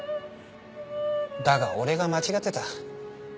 だが俺が間違ってた。